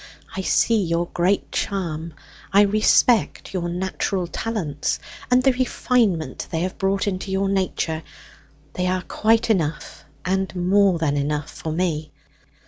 I see your great charm; I respect your natural talents, and the refinement they have brought into your nature they are quite enough, and more than enough for me!